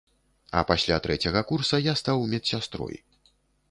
А пасля трэцяга курса я стаў медсястрой.